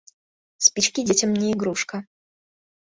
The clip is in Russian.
Спички детям не игрушка.